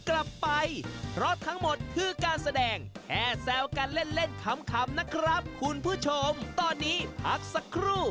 ขอบคุณผู้กองกบและพี่ตี๋มากค่ะ